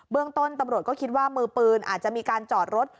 เรื่องต้นตำรวจก็คิดว่ามือปืนอาจจะมีการจอดรถ